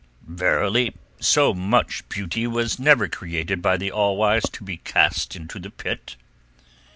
Verily, so much beauty was never created by the All Wise to be cast into the Pit."